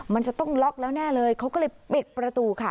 มันจะต้องล็อกแล้วแน่เลยเขาก็เลยปิดประตูค่ะ